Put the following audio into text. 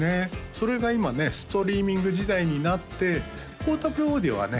それが今ねストリーミング時代になってポータブルオーディオはね